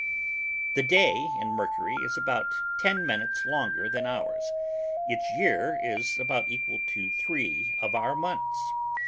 The day in Mercury is about ten minutes longer than ours, its year is about equal to three of our months.